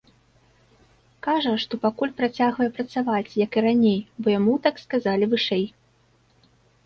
Кажа, што пакуль працягвае працаваць, як і раней, бо яму так сказалі вышэй.